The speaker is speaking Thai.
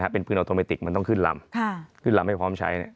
เป็นปืนออโตเมติกมันต้องขึ้นลำ